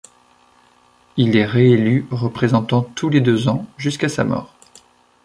Il est réélu représentant tous les deux ans jusqu'à sa mort.